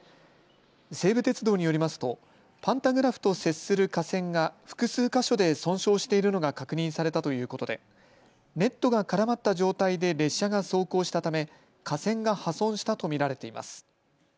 西武鉄道によりますとパンタグラフと接する架線が複数か所で損傷しているのが確認されたということでネットが絡まった状態で列車が走行したため架線が破損したと見られています。